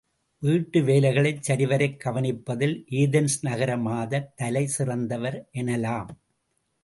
வீட்டு வேலைகளைச் சரிவரக் கவனிப்பதில் ஏதென்ஸ் நகர மாதர் தலை சிறந்தவர் என்னலாம்.